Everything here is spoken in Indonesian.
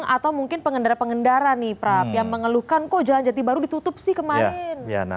atau mungkin pengendara pengendara nih prap yang mengeluhkan kok jalan jati baru ditutup sih kemarin